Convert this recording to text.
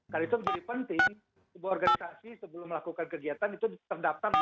karena itu menjadi penting sebuah organisasi sebelum melakukan kegiatan itu terdaftar di kementerian dalam negeri